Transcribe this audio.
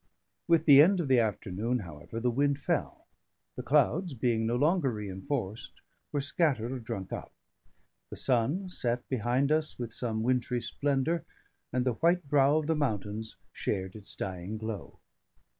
With the end of the afternoon, however, the wind fell; the clouds, being no longer reinforced, were scattered or drunk up; the sun set behind us with some wintry splendour, and the white brow of the mountains shared its dying glow.